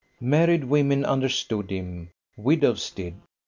Married women understood him: widows did.